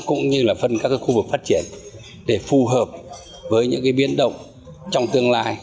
cũng như là phân các khu vực phát triển để phù hợp với những biến động trong tương lai